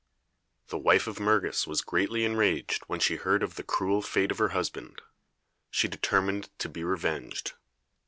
The wife of Mergus was greatly enraged when she heard of the cruel fate of her husband. She determined to be revenged.